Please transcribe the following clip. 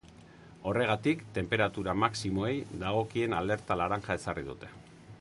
Horregatik, tenperatura maximoei dagokien alerta laranja ezarri dute.